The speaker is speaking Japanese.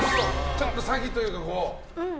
ちょっと詐欺というか？